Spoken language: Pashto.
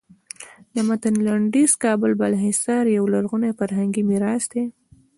د متن لنډیز کابل بالا حصار یو لرغونی فرهنګي میراث دی.